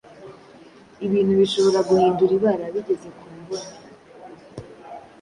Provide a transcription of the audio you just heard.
ibintu bishobora guhindura ibara bigeze ku mboni